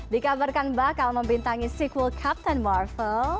dikabarkan bakal membintangi sequel captain marvel